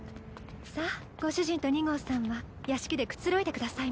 さあご主人と２号さんは屋敷でくつろいでくださいまし。